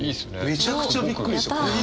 めちゃくちゃびっくりした。